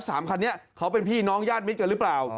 สามคันนี้เขาเป็นพี่น้องญาติมิตรกันหรือเปล่า